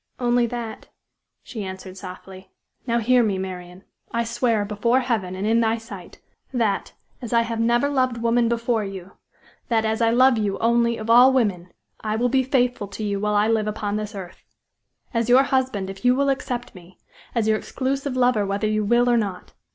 "Only that," she answered, softly. "Now hear me, Marian. I swear before Heaven, and in thy sight that as I have never loved woman before you that as I love you only of all women I will be faithful to you while I live upon this earth! as your husband, if you will accept me; as your exclusive lover, whether you will or not!